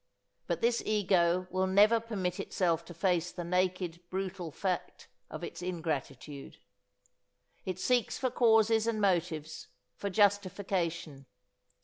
But this ego will never permit itself to face the naked brutal fact of its ingratitude. It seeks for causes and motives, for justification.